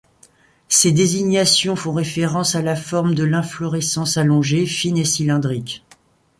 Ces désignations font référence à la forme de l'inflorescence allongée, fine et cylindrique.